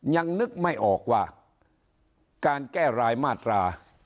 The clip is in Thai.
ยังนึกไม่ออกว่าการแก้รายมาตรา